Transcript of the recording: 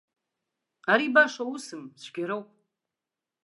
Ари баша усым, цәгьароуп.